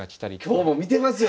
今日も見てますよ